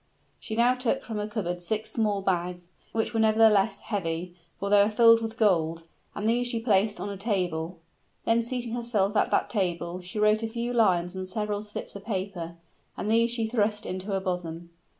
She now took from a cupboard six small bags, which were nevertheless heavy, for they were filled with gold; and these she placed on a table. Then seating herself at that table, she wrote a few lines on several slips of paper, and these she thrust into her bosom.